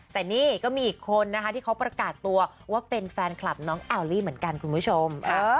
แต่นี่ก็มีอีกคนนะคะที่เขาประกาศตัวว่าเป็นแฟนคลับน้องแอลลี่เหมือนกันคุณผู้ชม